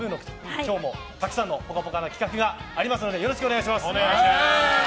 今日もたくさんのぽかぽかな企画がありますのでよろしくお願いします。